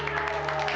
silakan tuan putri